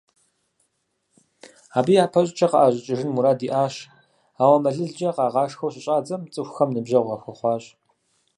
Абы япэщӀыкӀэ къаӀэщӀэкӀыжын мурад иӀащ, ауэ мэлылкӀэ къагъашхэу щыщӀадзэм, цӀыхухэм ныбжьэгъу яхуэхъуащ.